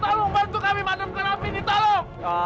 tolong bantu kami memadamkan api ini tolong